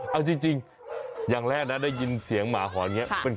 เอาจริงอย่างแรกนะได้ยินเสียงหมาหอนอย่างนี้